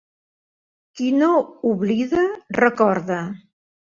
Qui no oblida, recorda.